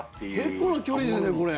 結構な距離ですね、これ。